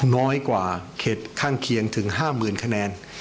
น้อยกว่าเขตข้างเคียงถึง๕๐๐๐คะแนน